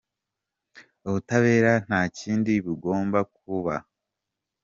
Ubutabera nta kindi bugomba kuba !!